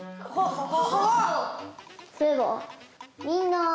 みんな。